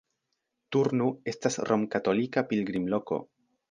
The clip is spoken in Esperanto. Turnu estas romkatolika pilgrimloko.